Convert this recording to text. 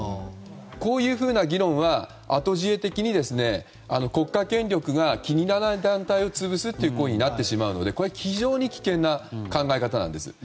こういうふうな議論は後知恵的に国家権力が気に入らない団体を潰すということになってしまうので非常に危険な考え方なんです。